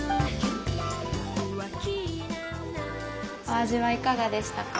お味はいかがでしたか？